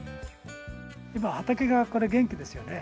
今畑がこれ元気ですよね。